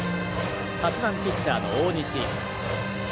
８番、ピッチャーの大西。